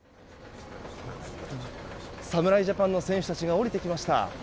侍ジャパンの選手たちが降りてきました。